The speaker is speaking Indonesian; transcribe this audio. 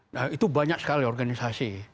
nah itu banyak sekali organisasi